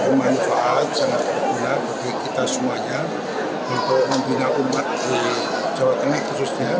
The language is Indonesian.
kehadiran dewa masuk ke ini tentu sangat bermanfaat sangat berguna bagi kita semuanya untuk membina umat di jawa tengah khususnya